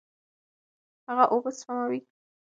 هغه اوبه سپموي.